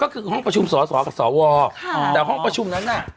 ก็คือห้องประชุมสอสอกับสวแต่ห้องประชุมนั้นน่ะ